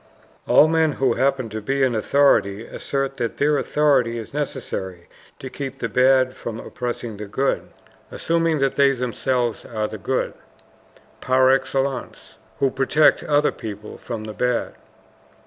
All men who happen to be in authority assert that their authority is necessary to keep the bad from oppressing the good, assuming that they themselves are the good PAR EXCELLENCE, who protect other good people from the bad.